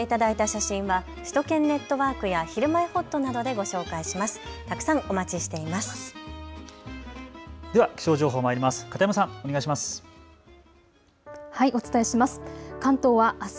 写真は首都圏ネットワークやひるまえほっとなどでご紹介します。